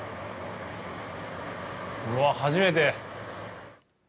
うわっ、初めて！